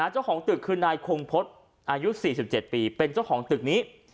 เจ้าของตึกคือนายคงพฤษอายุ๔๗ปีเป็นเจ้าของตึกนี้